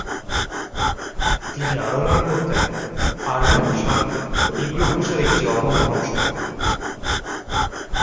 তিনি আরও মনে করতেন আরবি ভাষা হিব্রু ভাষার একটি অপভ্রংশ রূপ।